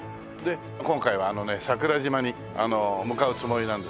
今回はあのね桜島に向かうつもりなんです。